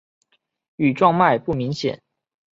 羽状脉不明显。